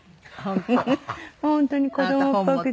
本当に子どもっぽくて。